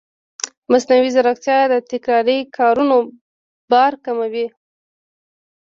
مصنوعي ځیرکتیا د تکراري کارونو بار کموي.